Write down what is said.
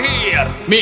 mereka akan menang